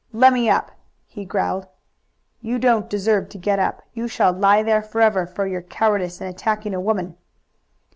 "Let me up!" he growled. "You don't deserve to get up! You shall lie there forever for your cowardice in attacking a woman!"